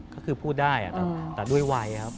ก็คือพูดได้แต่ด้วยวัยครับ